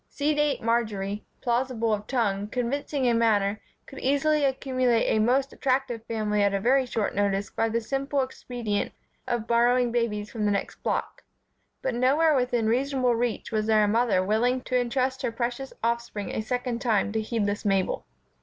Sedate Marjory, plausible of tongue, convincing in manner, could easily accumulate a most attractive family at very short notice by the simple expedient of borrowing babies from the next block; but nowhere within reasonable reach was there a mother willing to intrust her precious offspring a second time to heedless Mabel.